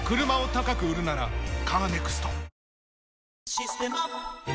「システマ」